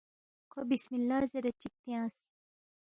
کھو بِسم اللّٰہ زیرے چِک تیانگس